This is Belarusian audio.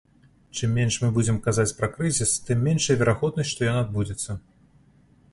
Чым менш мы будзем казаць пра крызіс, тым меншая верагоднасць, што ён адбудзецца.